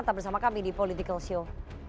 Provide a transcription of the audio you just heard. tetap bersama kami di politikalshow